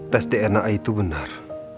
tes dna itu benar